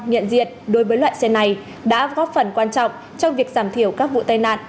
nhận diện đối với loại xe này đã góp phần quan trọng trong việc giảm thiểu các vụ tai nạn